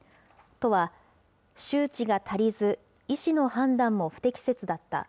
都は、周知が足りず、医師の判断も不適切だった。